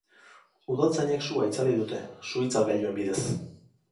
Udaltzainek sua itzali dute, su-itzalgailuen bidez.